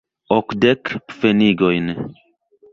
Okdek pfenigojn.